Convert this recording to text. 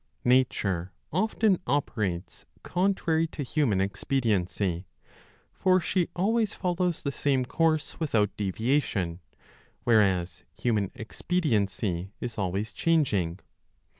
Nature often operates contrary to human expediency ; for she always follows the same course without deviation, whereas human 15 expediency is always changing.